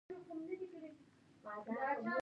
له لومړي نفوذ وروسته دوه زره کاله کې تلفات ډېر شول.